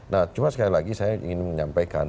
nah cuma sekali lagi saya ingin menyampaikan